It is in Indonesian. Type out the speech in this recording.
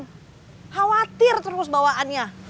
khawatir terus bawaannya